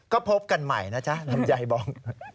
ก็พบกันใหม่นะจ๊ะลำไยบอง